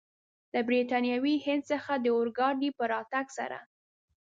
له برټانوي هند څخه د اورګاډي په راتګ سره.